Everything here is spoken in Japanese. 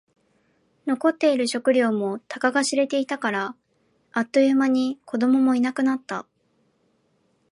残っている食料もたかが知れていたから。あっという間に子供もいなくなった。